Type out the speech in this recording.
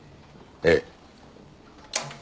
ええ。